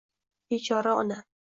Bechora onam!